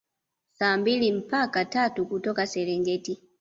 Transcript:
Saa mbili mpaka tatu kutoka Serengeti